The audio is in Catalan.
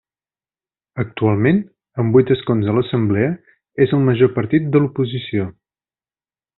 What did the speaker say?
Actualment, amb vuit escons a l'Assemblea és el major partit de l'oposició.